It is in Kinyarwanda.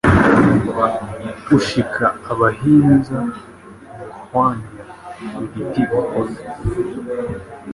Ushika abahinza Muhwanya igiti gikoze